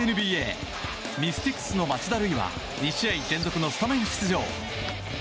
ミスティクスの町田瑠唯は２試合連続のスタメン出場。